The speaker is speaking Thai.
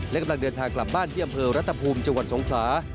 และกำลังเดินทางกลับบ้านที่อำเภอรัฐภูมิจังหวัดสงขลา